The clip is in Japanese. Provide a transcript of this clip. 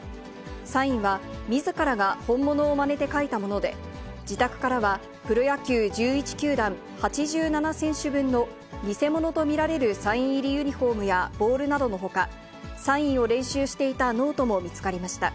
サインは、みずからが本物をまねて書いたもので、自宅からはプロ野球１１球団８７選手分の偽物と見られるサイン入りユニホームやボールなどのほか、サインを練習していたノートも見つかりました。